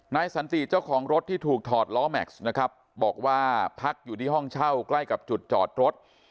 สันติเจ้าของรถที่ถูกถอดล้อแม็กซ์นะครับบอกว่าพักอยู่ที่ห้องเช่าใกล้กับจุดจอดรถ